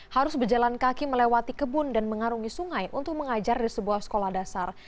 harus berjalan kaki melewati kebun dan mengarungi sungai untuk mengajar di sebuah sekolah dasar